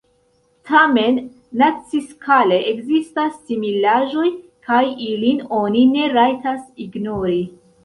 Tamen naciskale ekzistas similaĵoj, kaj ilin oni ne rajtas ignori.